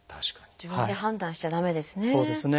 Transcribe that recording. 自分で判断しちゃ駄目ですね。